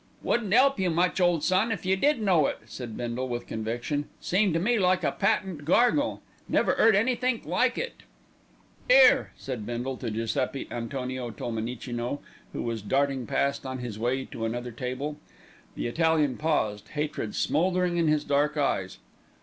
"Wouldn't 'elp you much, ole son, if you did know it," said Bindle with conviction. "Seemed to me like a patent gargle. Never 'eard anythink like it." "'Ere!" said Bindle to Giuseppi Antonio Tolmenicino, who was darting past on his way to another table. The Italian paused, hatred smouldering in his dark eyes.